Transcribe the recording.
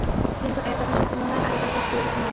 কিন্তু এক আকাশের তুলনায় আরেক আকাশ তো এরূপ নয়।